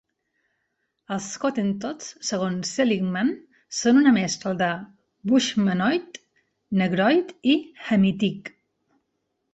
Els Hottentots, segons Seligman, són una mescla de Bushmanoid, Negroid i Hamitic.